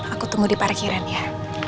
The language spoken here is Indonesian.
aku tunggu di parkiran ya